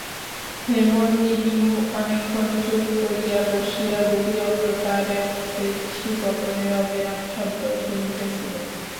হেমনলিনীও অনেকক্ষণ চুপ করিয়া বসিয়া গভীর অন্ধকারের মধ্যে বৃষ্টিপতনের অবিরাম শব্দ শুনিতেছিল।